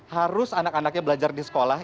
harus anak anaknya belajar di sekolah